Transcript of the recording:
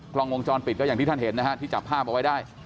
กล้องวงจรปิดก็อย่างที่ท่านเห็นนะฮะที่จับภาพเอาไว้ได้